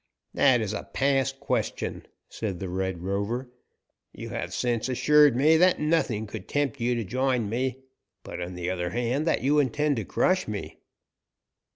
"That is a past question," said the Red Rover. "You have since assured me that nothing could tempt you to join me, but on the other hand that you intend to crush me."